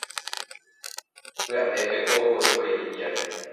Pya'épeko oho hikuái ipiári.